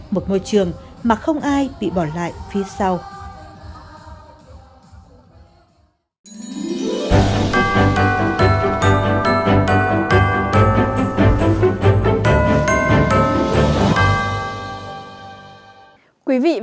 một môi trường mà không ai bị bỏ lại phía sau